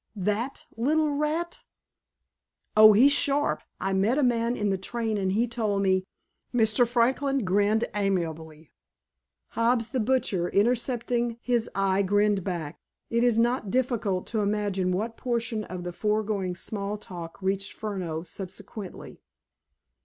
That little rat!" "Oh, he's sharp. I met a man in the train and he told me—" Mr. Franklin grinned amiably; Hobbs, the butcher, intercepting his eye, grinned back. It is not difficult to imagine what portion of the foregoing small talk reached Furneaux subsequently.